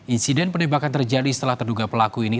insiden penembakan terjadi setelah terduga pelaku ini